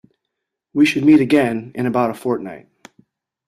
We should meet again in about a fortnight